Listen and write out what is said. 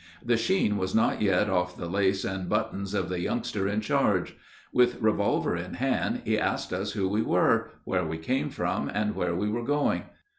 The sheen was not yet off the lace and buttons of the youngster in charge. With revolver in hand he asked us who we were, where we came from, and where we were going.